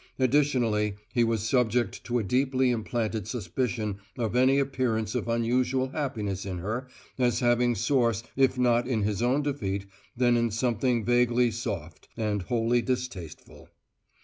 Additionally, he was subject to a deeply implanted suspicion of any appearance of unusual happiness in her as having source, if not in his own defeat, then in something vaguely "soft" and wholly distasteful.